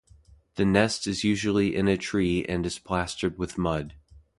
The nest is usually in a tree and is plastered with mud.